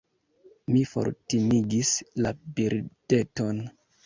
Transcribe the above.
Mi fortimigis la birdeton.